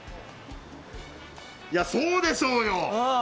いや、そうでしょうよ！